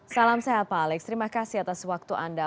salam sehat pak alex terima kasih atas waktu anda